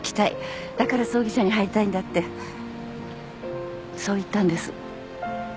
「だから葬儀社に入りたいんだ」ってそう言ったんです。